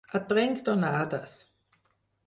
A trenc d'onades.